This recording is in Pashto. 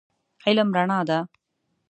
علم رڼا ده.